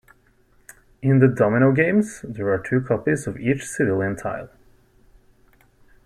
In the domino games, there are two copies of each Civilian tile.